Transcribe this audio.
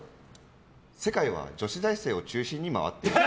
世界は女子大生を中心に回っている、と。